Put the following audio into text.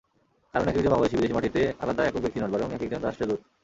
কারণ একেকজন বাংলাদেশি বিদেশের মাটিতে আলাদা একক ব্যক্তি নন, বরং একেকজন রাষ্ট্রদূত।